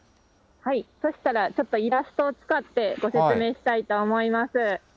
そしたらちょっとイラストを使ってご説明したいと思います。